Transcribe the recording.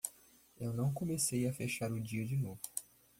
Eu não comecei a fechar o dia de novo.